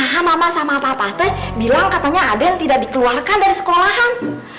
nah mama sama papa teh bilang katanya aden tidak dikeluarkan dari sekolahan